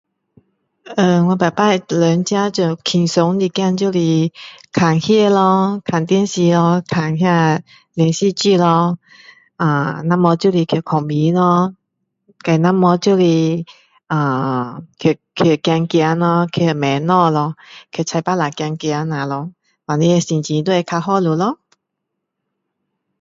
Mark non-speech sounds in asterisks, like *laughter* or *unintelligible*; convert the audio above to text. ahh 我每次人家 *unintelligible* 轻松一点就是看戏咯，看电视咯，看那连续剧咯。ahh 那没有就去睡觉咯。再那没就是 ahh 去，去走走咯。去买东西咯。去菜巴刹走走那咯。这样心情就会较了好咯。